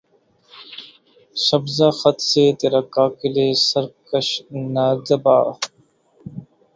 سبزہٴ خط سے ترا کاکلِ سرکش نہ دبا